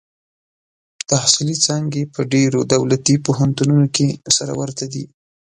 تحصیلي څانګې په ډېرو دولتي پوهنتونونو کې سره ورته دي.